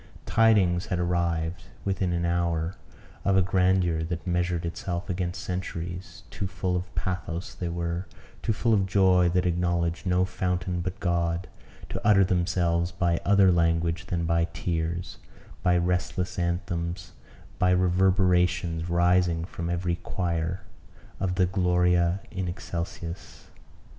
Tidings had arrived, within an hour, of a grandeur that measured itself against centuries; too full of pathos they were, too full of joy that acknowledged no fountain but God, to utter themselves by other language than by tears, by restles anthems, by reverberations rising from every choir, of the Gloria in excelsis.